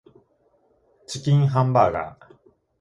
チキンハンバーガー